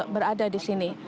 berada di sini